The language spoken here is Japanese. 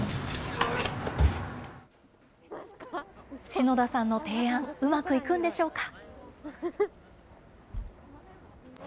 信田さんの提案、うまくいくんでしょうか。